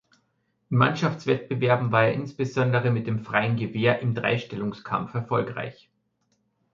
In Mannschaftswettbewerben war er insbesondere mit dem Freien Gewehr im Dreistellungskampf erfolgreich.